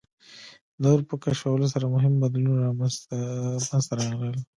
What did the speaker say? د اور په کشفولو سره مهم بدلونونه منځ ته راغلل.